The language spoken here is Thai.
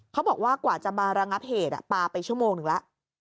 เขาบอกว่ากว่าจะมาระงับเหตุปลาไปชั่วโมงหนึ่งแล้ว